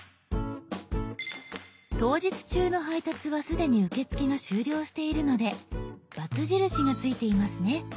当日中の配達は既に受け付けが終了しているのでバツ印がついていますね。